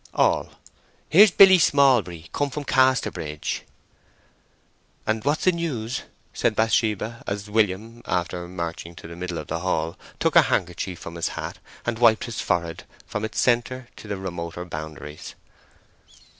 (All.) "Here's Billy Smallbury come from Casterbridge." "And what's the news?" said Bathsheba, as William, after marching to the middle of the hall, took a handkerchief from his hat and wiped his forehead from its centre to its remoter boundaries.